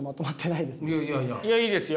いやいいですよ。